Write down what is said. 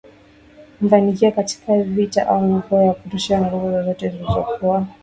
mafanikio katika vita au mvua ya kutosha Nguvu zozote alizokuwa nazo laibon zilikuwa zimetokana